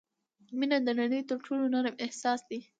• مینه د نړۍ تر ټولو نرم احساس دی.